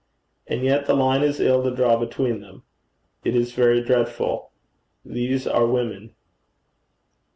And yet the line is ill to draw between them. It is very dreadful. These are women.'